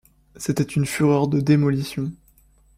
C’était une fureur de démolition.